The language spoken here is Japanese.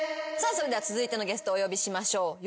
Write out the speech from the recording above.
さあそれでは続いてのゲストをお呼びしましょう。